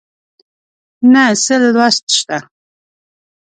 نه څه لوست شته